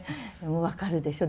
分かるでしょう？